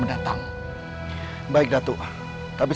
dan aku harap